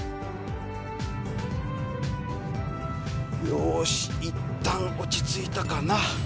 よしいったん落ち着いたかな。